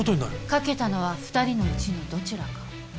かけたのは２人のうちのどちらか。